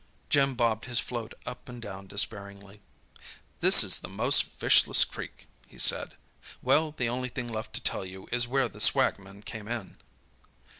Jim bobbed his float up and down despairingly. "This is the most fishless creek!" he said. "Well, the only thing left to tell you is where the swagman came in."